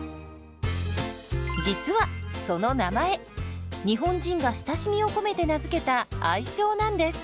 実はその名前日本人が親しみを込めて名付けた愛称なんです。